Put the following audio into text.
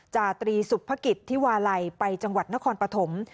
จาตรีสุภกิจที่วาลัยไปจังหวัดนครปฐม